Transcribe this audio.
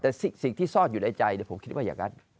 แต่สิ่งที่ซ่อนอยู่ในใจผมคิดว่าอย่างนั้น